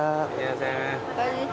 こんにちは。